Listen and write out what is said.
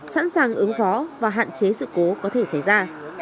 sẵn sàng ứng phó và hạn chế sự cố có thể xảy ra